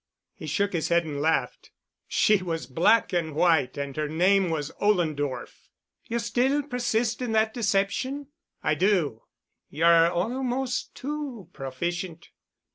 He shook his head and laughed. "She was black and white and her name was Ollendorff." "You'll still persist in that deception?" "I do." "You're almost too proficient."